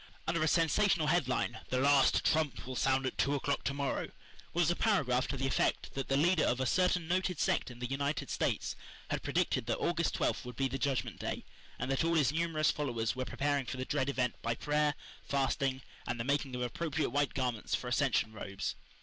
Under a sensational headline, "The Last Trump will sound at Two O'clock To morrow," was a paragraph to the effect that the leader of a certain noted sect in the United States had predicted that August twelfth would be the Judgment Day, and that all his numerous followers were preparing for the dread event by prayer, fasting, and the making of appropriate white garments for ascension robes.